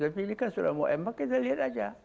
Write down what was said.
tapi ini kan sudah mau mk kita lihat saja